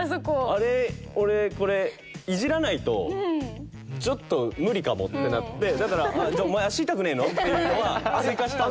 あれ俺これいじらないとちょっと無理かもってなってだから「お前足痛くねえの？」っていうのは追加した。